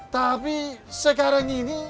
tapi sekarang ini